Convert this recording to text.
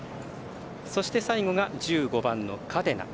そして最後が１５番、カデナ。